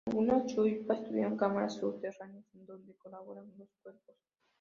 Algunas chullpas tuvieron cámaras subterráneas en donde colocaban los cuerpos.